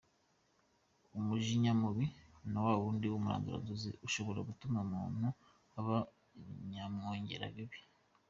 Umujinya mubi ni wa wundi w’umuranduranzuzi ushobora gutuma umuntu aba nyamwongera bibi.